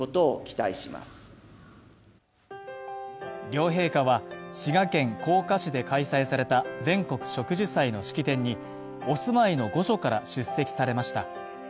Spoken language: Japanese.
両陛下は、滋賀県甲賀市で開催された全国植樹祭の式典にお住まいの御所から出席されました。